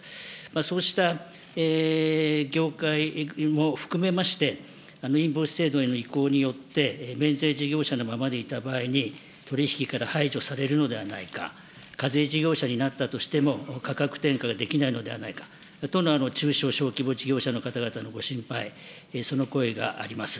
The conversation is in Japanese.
そうした業界も含めまして、インボイス制度への移行によって、免税事業者のままでいた場合に、取り引きから排除されるのではないか、課税事業者になったとしても、価格転嫁ができないのではないかとの中小企業事業者の方のご心配、その声があります。